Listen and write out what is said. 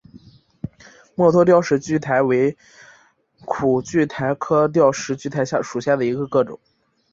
墨脱吊石苣苔为苦苣苔科吊石苣苔属下的一个种。